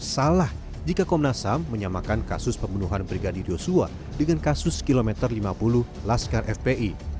salah jika komnas ham menyamakan kasus pembunuhan brigadir yosua dengan kasus kilometer lima puluh laskar fpi